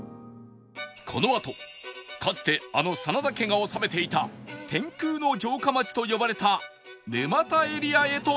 このあとかつてあの真田家が治めていた天空の城下町と呼ばれた沼田エリアへと突入！